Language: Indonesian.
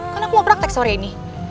kan aku mau praktek sore ini